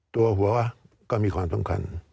ตัวหัวก็มีความสำคัญ